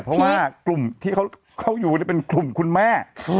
เพราะว่ากลุ่มที่เขาอยู่เป็นกลุ่มคุณแม่